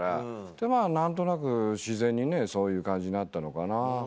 でまぁ何となく自然にねそういう感じになったのかな。